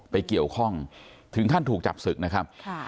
ไปเกี่ยวข้องถึงขั้นถูกจับศึกนะครับ